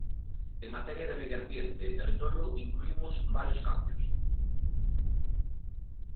En materia de medio ambiente e territorio incluímos varios cambios.